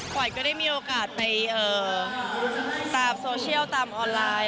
ขวัญก็ได้มีโอกาสไปตามโซเชียลตามออนไลน์